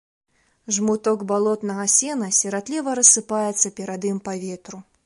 Жмуток балотнага сена сіратліва рассыпаецца перад ім па ветру.